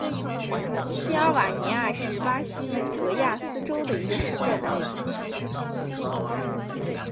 锡尔瓦尼亚是巴西戈亚斯州的一个市镇。